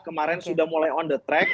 kemarin sudah mulai on the track